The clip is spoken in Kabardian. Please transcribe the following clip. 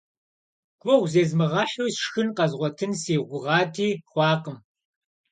Гугъу зезмыгъэхьу сшхын къэзгъуэтын си гугъати, хъуакъым.